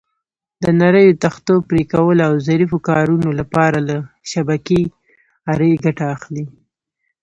د نریو تختو پرېکولو او ظریفو کارونو لپاره له شبکې آرې ګټه اخلي.